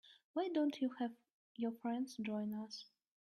Why don't you have your friends join us?